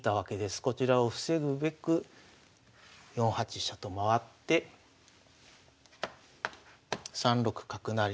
こちらを防ぐべく４八飛車と回って３六角成。